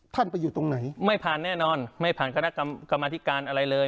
ไปอยู่ตรงไหนไม่ผ่านแน่นอนไม่ผ่านคณะกรรมธิการอะไรเลย